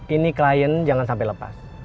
ini klien jangan sampai lepas